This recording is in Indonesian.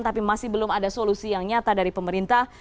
tapi masih belum ada solusi yang nyata dari pemerintah